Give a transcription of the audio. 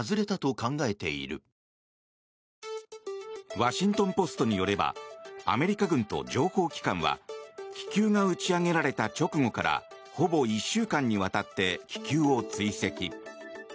ワシントン・ポストによればアメリカ軍と情報機関は気球が打ち上げられた直後からほぼ１週間にわたって気球を追跡。